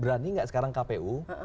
berani nggak sekarang kpu